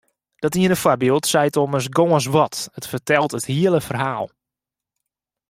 Dat iene foarbyld seit ommers gâns wat, it fertelt it hiele ferhaal.